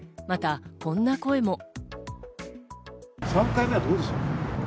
また、こんな声も。